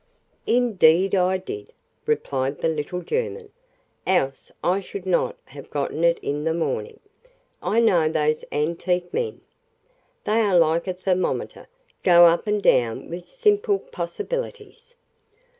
"Indeed I did," replied the little German, "else I should not have gotten it in the morning. I know those antique men. They are like a thermometer go up and down with simple possibilities."